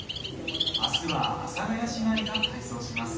あすは阿佐ヶ谷姉妹が体操します。